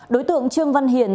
đối tượng trương văn hiền